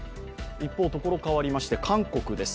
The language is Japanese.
一方、所変わりまして、韓国です。